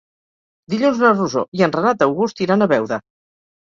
Dilluns na Rosó i en Renat August iran a Beuda.